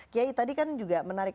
kiai tadi kan juga menarik